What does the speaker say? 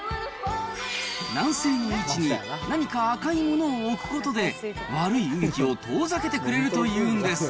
南西の位置に何か赤いものを置くことで、悪い運気を遠ざけてくれるというんです。